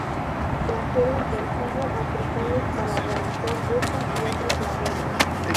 Trajeron consigo africanos para realizar estas y otras labores.